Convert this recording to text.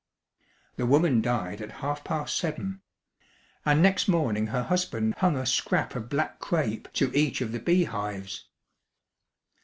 The woman died at half past seven. And next morning her husband hung a scrap of black crape to each of the bee hives.